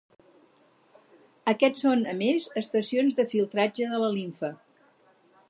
Aquests són, a més, estacions de filtratge de la limfa.